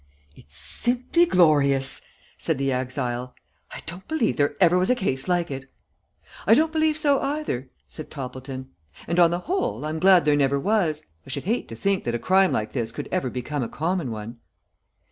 "It's simply glorious," said the exile. "I don't believe there ever was a case like it." "I don't believe so either," said Toppleton. "And on the whole I'm glad there never was. I should hate to think that a crime like this could ever become a common one.